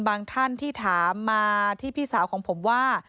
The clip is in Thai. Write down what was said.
ท่านที่ถามมาที่พี่สาวของผมว่า